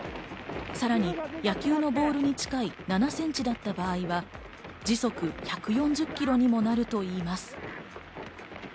さらに野球のボールに近い７センチだった場合は時速１４０キロにもなるといいます。